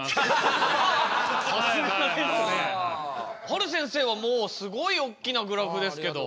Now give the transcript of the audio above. はる先生はもうすごいおっきなグラフですけど。